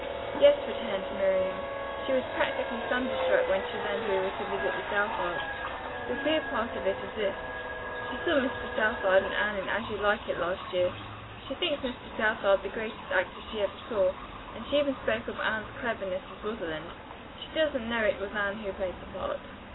"Yes," returned Miriam. "She was practically thunderstruck when she learned we were to visit the Southards. The queer part of it is this. She saw Mr. Southard and Anne in 'As You Like It' last year. She thinks Mr. Southard the greatest actor she ever saw, and she even spoke of Anne's cleverness as Rosalind; she doesn't know it was Anne who played the part."